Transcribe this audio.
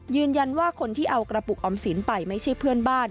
ยืนยันว่าคนที่เอากระปุกออมสินไปไม่ใช่เพื่อนบ้าน